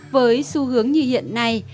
với xu hướng như hiện nay